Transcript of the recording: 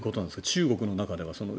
中国の中では。